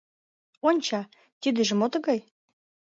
Онча: — Тидыже мо тыгай?